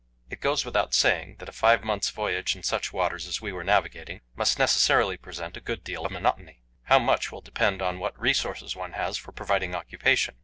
It goes without saying that a five months' voyage in such waters as we were navigating must necessarily present a good deal of monotony; how much will depend on what resources one has for providing occupation.